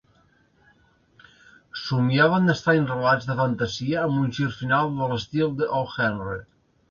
Somniava en estranys relats de fantasia amb un gir final de l'estil de O. Henry.